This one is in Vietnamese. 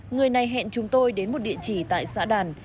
người này hẹn chúng tôi đến một địa chỉ tại xã đàn